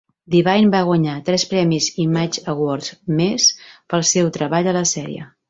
Devine va guanyar tres premis Image Awards més pel seu treball a la sèrie.